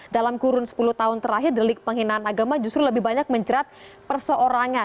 dalam kurun sepuluh tahun terakhir delik penghinaan agama justru lebih banyak menjerat perseorangan